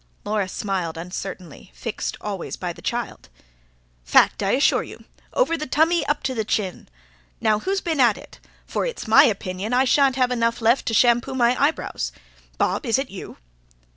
Laura smiled uncertainly, fixed always by the child. "Fact, I assure you. Over the tummy, up to the chin. Now, who's been at it? For it's my opinion I shan't have enough left to shampoo my eyebrows. Bob, is it you?"